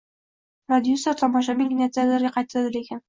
Prodyuser: Tomoshabin kinoteatrga qaytadi, lekin...